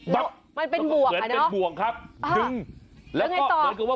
มันเป็นบวกค่ะเนอะอ่าดึงแล้วก็เป็นไงต่อ